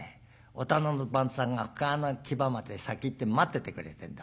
お店の番頭さんが深川の木場まで先行って待っててくれてんだ。